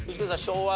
昭和。